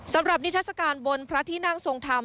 สำหรับนิทราสการบนพระที่นั่งทรงธรรม